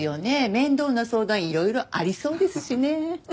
面倒な相談いろいろありそうですしね。